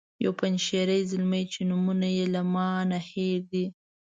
یو پنجشیری زلمی چې نومونه یې له ما نه هیر دي.